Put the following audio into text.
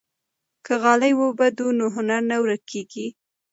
که غالۍ ووبدو نو هنر نه ورکيږي.